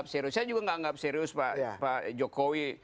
saya juga nggak anggap serius pak jokowi